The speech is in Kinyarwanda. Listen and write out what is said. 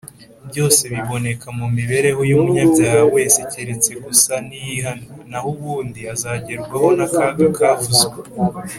byose biboneka mu mibereho y’umunyabyaha wese keretse gusa niyihana, naho ubundi azagerwaho n’akaga kavuzwe